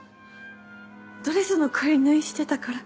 ドレスの仮縫いしてたから。